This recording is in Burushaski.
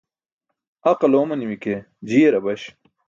Aql oomanimi ke jiyar abaś.